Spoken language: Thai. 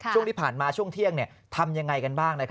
ช่วงที่ผ่านมาช่วงเที่ยงทำยังไงกันบ้าง